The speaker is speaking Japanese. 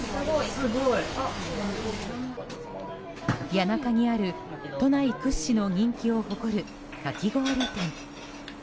谷中にある都内屈指の人気を誇るかき氷店。